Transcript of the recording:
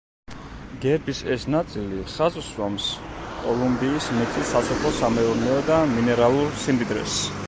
გერბის ეს ნაწილი ხაზს უსვამს კოლუმბიის მიწის სასოფლო-სამეურნეო და მინერალურ სიმდიდრეს.